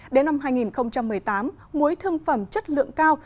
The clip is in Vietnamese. đến năm hai nghìn một mươi tám muối thương phẩm chất lượng cao